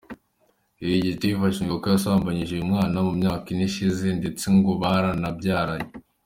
Uyu Gitifu ashinjwa ko yasambanyije uwo mwana mu myaka ine ishize, ndetse ngo baranabyaranye.